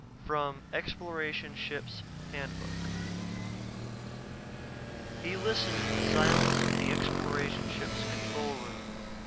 _ From Exploration Ship's Handbook. He listened in the silence of the Exploration ship's control room.